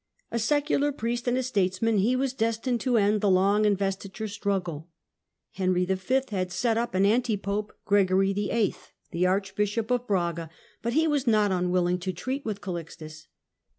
A secular priest and a statesman, he was destined to end the long investiture struggle. Henry V. had set up an an ti pope, Gregory VIII., the Archbishop THE WAR OF INVESTITURE 95 of Braga, but he was not unwilling to treat with Calixtus.